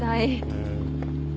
うん。